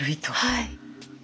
はい。